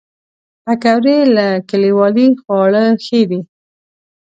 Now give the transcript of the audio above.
پکورې له کلیوالي خواړو ښې دي